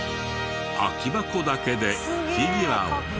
空き箱だけでフィギュアを。